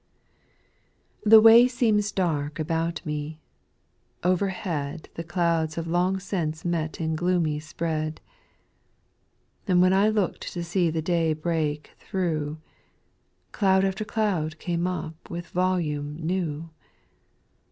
fTlHE way seems dark about me, overhead JL The clouds have long since met in gloomy spread ; And when I look'd to see the day break through, Cloud after cloud came up with volume new.